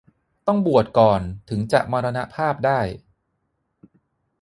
ต้องบวชก่อนถึงจะมรณภาพได้